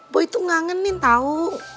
gue tuh ngangenin tau